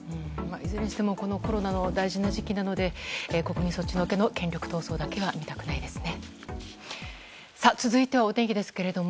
いずれにしてもコロナの大事な時期なので国民そっちのけの権力闘争だけは見たくないですね。